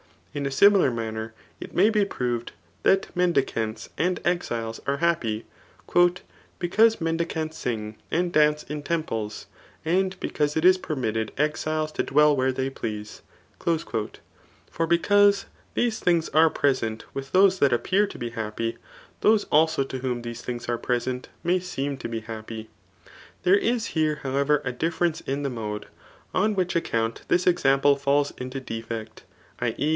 In a similar manner [it may be proved that] mendicants and exiles are happy. ^^ Because mendicants ^g and dance in temples ; and because it is permitted exiles to dwell where they please.'^ For because, these things are present with thoto that appear to be happy, those also to whom these things are present, may seem to be happy. There is here however a difference in the mode; on which account this example falls into defect, [i. e.